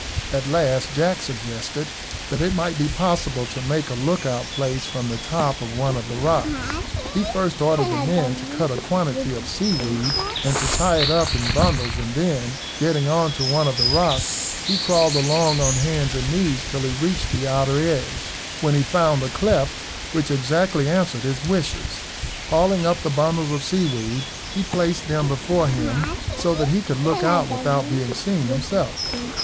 At last Jack suggested that it might be possible to make a lookout place from the top of one of the rocks. He first ordered the men to cut a quantity of seaweed and to tie it up in bundles, and then getting on to one of the rocks he crawled along on hands and knees till he reached the outer edge, when he found a cleft which exactly answered his wishes. Hauling up the bundles of seaweed, he placed them before him, so that he could look out without being seen himself.